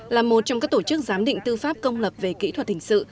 là một trong các tổ chức giám định tư pháp công lập về kỹ thuật hình sự